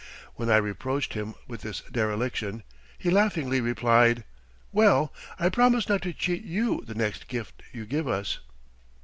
When I reproached him with this dereliction, he laughingly replied: "Well, I promise not to cheat you the next gift you give us."